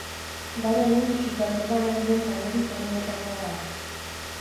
Gaur egun Superligan ari den talderik onenetakoa da.